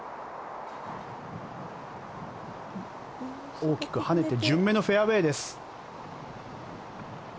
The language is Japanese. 大きく跳ねて順目のフェアウェーです。